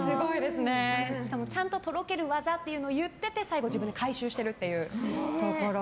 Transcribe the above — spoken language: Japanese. しかもちゃんととろける技って言ってて最後、自分で回収しているというところが。